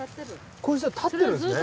これ立ってるんですね。